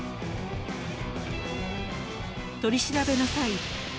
［取り調べの際］